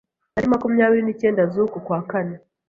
Tariki makumyabiri nicyenda z'ukwezi kwa kane,